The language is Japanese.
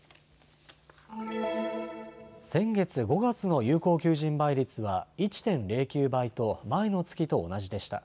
先月５月の有効求人倍率は１．０９倍と前の月と同じでした。